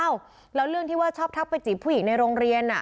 แล้วเรื่องที่ว่าชอบทักไปจีบผู้หญิงในโรงเรียน